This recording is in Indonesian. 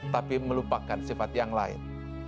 tapi melupakan sifat yang lain